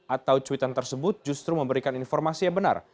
atau cuitan tersebut justru memberikan informasi yang benar